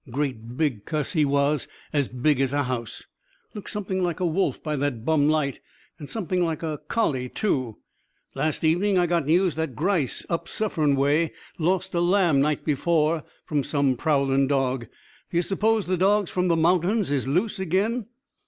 Great big cuss he was. As big as a house. Looked something like a wolf by that bum light; and something like a collie, too. Last evening I got news that Gryce, up Suffern way, lost a lamb, night before, from some prowling dog. D'you s'pose the dogs from the mountains is loose again?"